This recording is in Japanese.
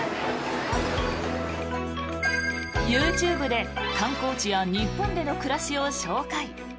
ＹｏｕＴｕｂｅで観光地や日本での暮らしを紹介。